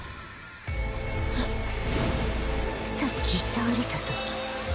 さっき倒れた時